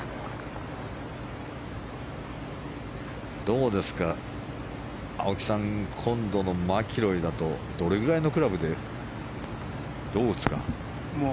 どうですか、青木さん今度のマキロイだとどれくらいのクラブでどう打つか。